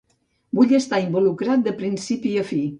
Vull estar involucrat de principi a fi.